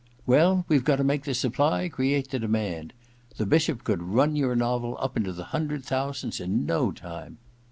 * Well, we've got to make the supply create the demand. The Bishop could run your novel up into the hundred thousands in no time.'